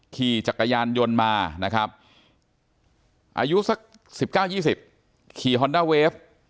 ขี่จักรยานยนต์มานะครับอายุสักสิบเก้ายี่สิบขี่ฮอนดาเวฟ